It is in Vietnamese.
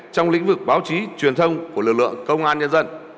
trong lĩnh vực báo chí truyền thông của lực lượng công an nhân dân